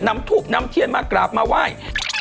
นำทูบนำเทียนมากราบมาไหว้